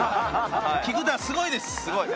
菊田は、すごいです。